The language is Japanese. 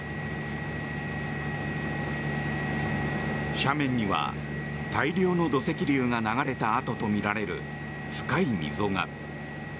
斜面には大量の土石流が流れた跡とみられる深い溝が。